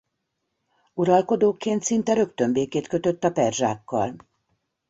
Uralkodóként szinte rögtön békét kötött a perzsákkal.